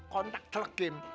kan tak terlegim